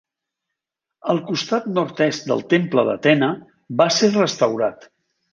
El costat nord-est del temple d'Atena va ser restaurat.